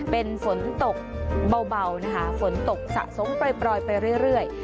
เป็นฝนตกเบานะคะฝนตกสะสมปล่อยไปเรื่อย